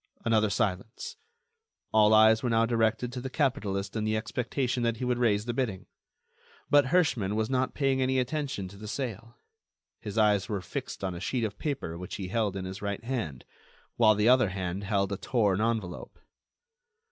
Another silence. All eyes were now directed to the capitalist in the expectation that he would raise the bidding. But Herschmann was not paying any attention to the sale; his eyes were fixed on a sheet of paper which he held in his right hand, while the other hand held a torn envelope.